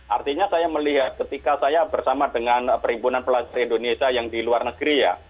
artinya saya melihat ketika saya bersama dengan perhimpunan pelajar indonesia yang di luar negeri ya